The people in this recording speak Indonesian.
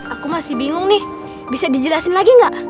aku masih bingung nih bisa dijelasin lagi nggak